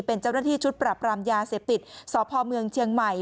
เป็นเจ้าหน้าที่ชุดปรับรามยาเสพติดสพเมืองเชียงใหม่